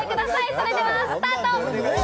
それではスタート！